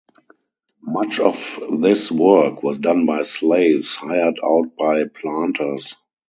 Much of this work was done by slaves hired out by planters.